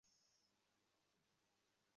কিছু না, অশোক স্যারকে দিল্লি নিয়ে যাব।